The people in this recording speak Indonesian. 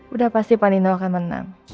udah pasti pak nino akan menang